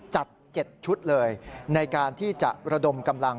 จัด๗ชุดเลยในการที่จะระดมกำลัง